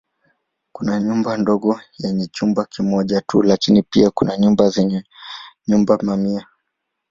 Kuna nyumba ndogo yenye chumba kimoja tu lakini kuna pia nyumba zenye vyumba mamia.